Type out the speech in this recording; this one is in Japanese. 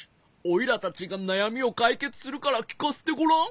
おいらたちがなやみをかいけつするからきかせてごらん。